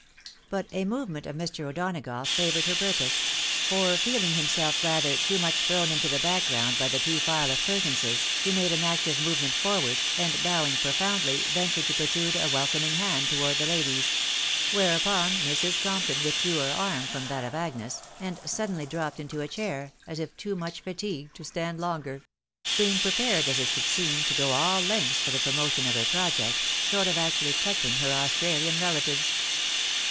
But a movement of Mr. O'Donagough favomed her purpose ; for feel ing himself rather too much thrown into the background by the two file of Perkinses, he made an active movement forward, and bowing profoundly, ventured to protrude a welcoming hand towards the ladies ; whereupon, Mrs. Compton withdrew her arm from that of Agnes, and suddenly dropped into a chair, as if too much fatigued to stand longer ; being prepared, as it should seem, to go aU lengths for the promotion of her project, short of actually touching her Australian relatives.